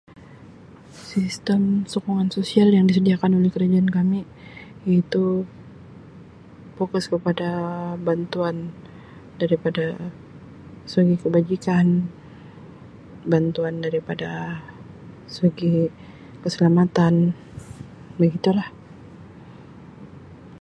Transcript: Sistem sokongan sosial yang disediakan oleh kerajaan kami iaitu fokus kepada bantuan daripada segi kebajikan, bantuan daripada segi keselamatan begitu lah.